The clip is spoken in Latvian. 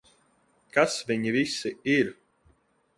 Kas viņi visi ir?